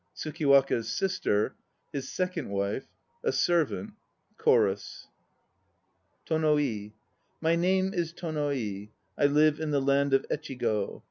TSUKIWAKA'S SISTER. HIS SECOND WIFE. A SERVANT. CHORUS. TONO I. My name is Tono i. I live in the land of Echigo.